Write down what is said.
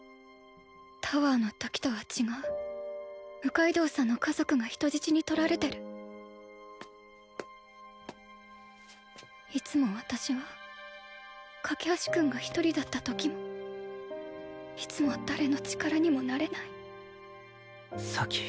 タワーのときとは違う六階堂さんの家族が人質にとられてるいつも私は架橋君が独りだったときもいつも誰の力にもなれない咲